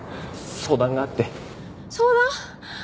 相談？